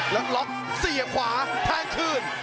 แล้วล็อกเสียบขวาแทงคืน